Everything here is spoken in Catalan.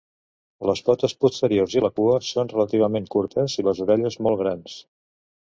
Les potes posteriors i la cua són relativament curtes i les orelles molt grans.